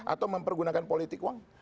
atau mempergunakan politik uang